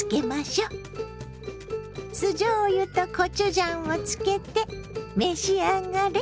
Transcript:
酢じょうゆとコチュジャンをつけて召し上がれ！